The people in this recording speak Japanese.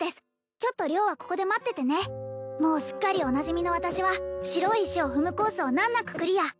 ちょっと良はここで待っててねもうすっかりおなじみの私は白い石を踏むコースを難なくクリア